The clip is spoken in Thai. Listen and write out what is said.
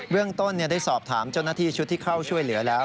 เรื่องต้นได้สอบถามเจ้าหน้าที่ชุดที่เข้าช่วยเหลือแล้ว